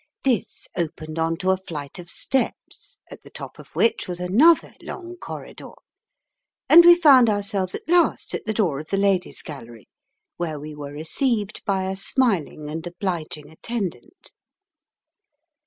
This opened on to a flight of steps at the top of which was another long corridor, and we found ourselves at last at the door of the Ladies' Gallery, where we were received by a smiling and obliging attendant.